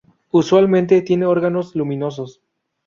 Usualmente tienen órganos luminosos.